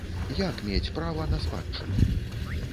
Як мець права на спадчыну?